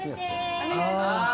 お願いします。